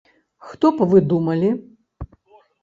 Хто б вы думалі?